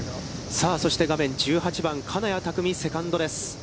さあ、そして１８番、金谷拓実、セカンドです。